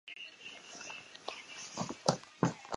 汤之里站松前线的铁路站。